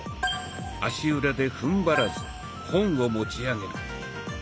足裏でふんばらず本を持ち上げる。